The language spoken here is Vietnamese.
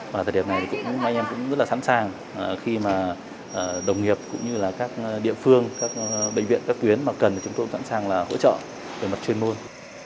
và thời điểm này thì anh em cũng rất là sẵn sàng khi mà đồng nghiệp cũng như là các địa phương các bệnh viện các tuyến mà cần chúng tôi cũng sẵn sàng là hỗ trợ về mặt chuyên môn